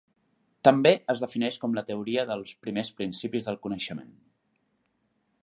També es defineix com la teoria dels primers principis del coneixement.